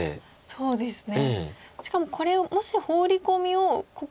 そうですね